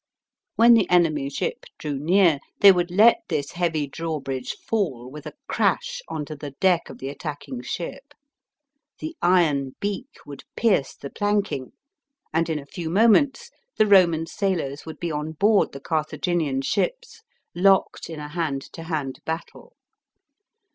When the enemy's ship drew near, they would let this heavy drawbridge B.C. 260.] SEA BATTLE AT MYL^E. 161 fall with a crash, on to the deck of the attacking ship. The iron beak would pierce the planking, and in a few moments the Roman sailors would be on board the Carthaginian ships locked in a hand to hand battle.